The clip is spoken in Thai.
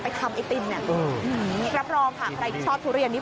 ไปทำไอติมรับรองค่ะใครชอบทุเรียนนี้